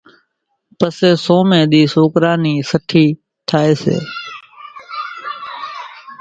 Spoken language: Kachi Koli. پسيَ سوميَ ۮِي سوڪرا نِي سٺِي ٿائيَ سي۔